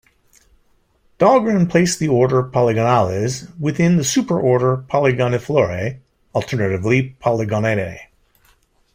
Dahlgren placed the order Polygonales within the superorder Polygoniflorae, alternatively Polygonanae.